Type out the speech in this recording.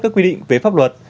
các quy định về pháp luật